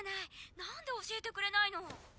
なんで教えてくれないの？